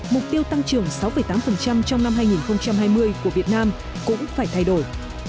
mục tiêu tăng trưởng sáu tám trong năm hai nghìn hai mươi của việt nam cũng phải thay đổi